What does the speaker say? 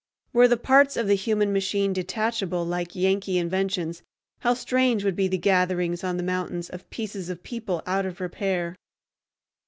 Were the parts of the human machine detachable like Yankee inventions, how strange would be the gatherings on the mountains of pieces of people out of repair!